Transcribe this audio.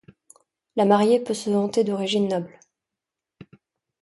La mariée peut se vanter d'origines nobles.